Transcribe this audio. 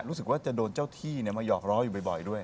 รู้สึกว่าจะโดนเจ้าที่มาหอกล้ออยู่บ่อยด้วย